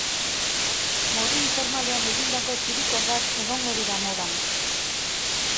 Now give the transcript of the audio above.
Modu informalean egindako txirikordak egongo dira modan.